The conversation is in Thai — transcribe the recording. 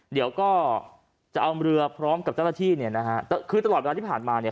เดี๋ยวก็จะเอาเรือพร้อมกับเจ้าหน้าที่เนี่ยนะฮะคือตลอดเวลาที่ผ่านมาเนี่ย